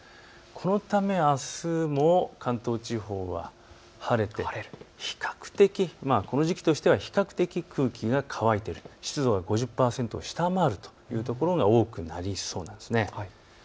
このため、あすも関東地方は晴れて比較的この時期としては比較的空気が乾いている、湿度が５０％を下回るという所が多くなりそうです。